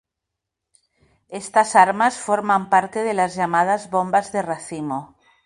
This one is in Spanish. Estas armas forman parte de las llamadas bombas de racimo.